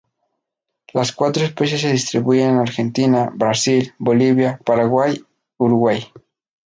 Las cuatro especies se distribuyen en Argentina, Brasil, Bolivia, Paraguay, Uruguay.